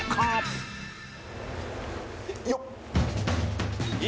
よっ！